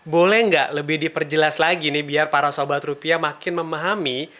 boleh nggak lebih diperjelas lagi nih biar para sobat rupiah makin memahami